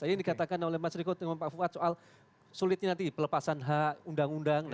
tadi yang dikatakan oleh mas riko dengan pak fuad soal sulitnya nanti pelepasan hak undang undang